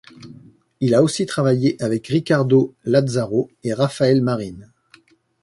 Il a aussi travaillé avec Ricardo Lázaro et Rafael Marín.